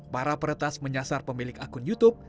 para peretas menyasar pemilik akun youtube